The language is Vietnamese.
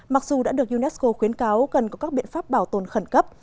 mặc dù đã được unesco khuyến cáo cần có các biện pháp bảo tồn khẩn cấp